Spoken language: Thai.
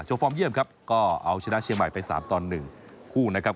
ฟอร์มเยี่ยมครับก็เอาชนะเชียงใหม่ไป๓ต่อ๑คู่นะครับ